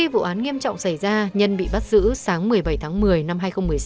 vụ án nghiêm trọng xảy ra nhân bị bắt giữ sáng một mươi bảy tháng một mươi năm hai nghìn một mươi sáu